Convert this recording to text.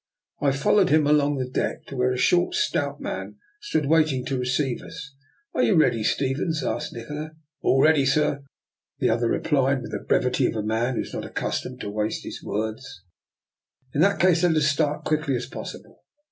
I followed him along the deck to where a short, stout man stood waiting to receive us. Are you ready, Stevens? " asked Nikola. All ready, sir," the other replied, with the brevity of a man who is not accustomed to waste his words. it ti 148 I>R NIKOLA'S EXPERIMENT. " In that case let us start as quickly as possible."